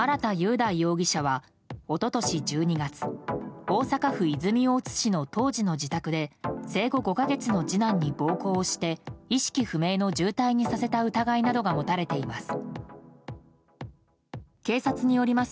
大容疑者は一昨年１２月大阪府泉大津市の当時の自宅で生後５か月の次男に暴行して、意識不明の重体にさせた疑いなどが持たれています。